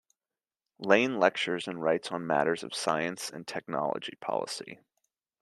Lane lectures and writes on matters of science and technology policy.